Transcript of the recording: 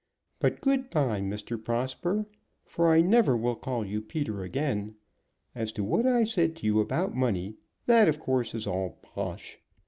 But good bye, Mr. Prosper, for I never will call you Peter again. As to what I said to you about money, that, of course, is all bosh.